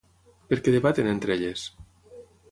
Per què debaten entre elles?